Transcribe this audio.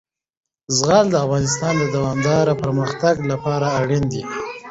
زغال د افغانستان د دوامداره پرمختګ لپاره اړین دي.